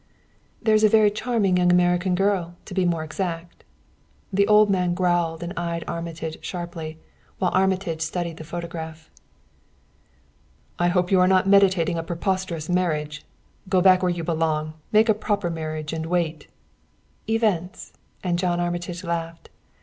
"There's a very charming young American girl, to be more exact." The old man growled and eyed Armitage sharply, while Armitage studied the photograph. "I hope you are not meditating a preposterous marriage. Go back where you belong, make a proper marriage and wait " "Events!" and John Armitage laughed.